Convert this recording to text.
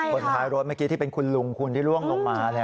คนท้ายรถเมื่อกี้ที่เป็นคุณลุงคุณที่ล่วงลงมา